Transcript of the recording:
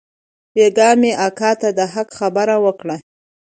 بيگاه مې اکا ته د حق خبره وکړه.